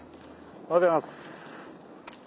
おはようございます。